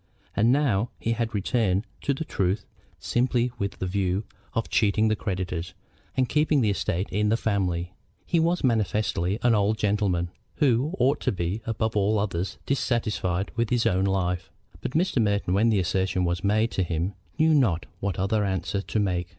And now he had returned to the truth simply with the view of cheating the creditors and keeping the estate in the family. He was manifestly an old gentleman who ought to be, above all others, dissatisfied with his own life; but Mr. Merton, when the assertion was made to him, knew not what other answer to make.